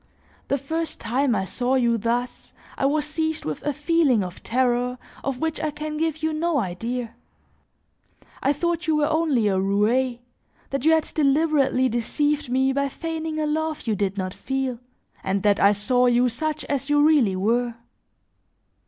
The first time I saw you thus, I was seized with a feeling of terror of which I can give you no idea. I thought you were only a roue, that you had deliberately deceived me by feigning a love you did not feel, and that I saw you such as you really were.